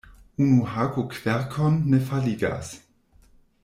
Unu hako kverkon ne faligas.